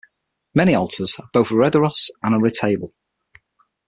Many altars have both a reredos and a retable.